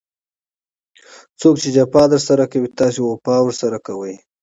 څوک چي جفا درسره کوي؛ تاسي وفا ورسره کوئ!